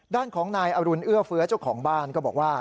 ด้านของนายอรุณเอื้อเฟื้อเจ้าของบ้านก็บอกว่า